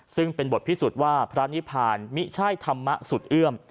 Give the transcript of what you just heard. ซึ่งเป็นบทพิสูจน์ว่าพระนิพานมิใช่ธรรมะสุดเอื้อม